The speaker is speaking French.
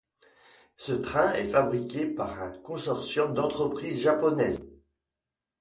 Ce train est fabriqué par un consortium d'entreprises japonaises.